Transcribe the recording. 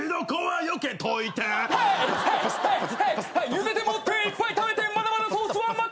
「ゆでてもうていっぱい食べてまだまだソースは余ってるよ」